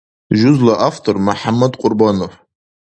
Жузла автор МяхӀяммад Кьурбанов.